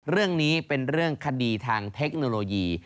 เรื่องนี้เป็นเรื่องคดีทางเทคโนโลยี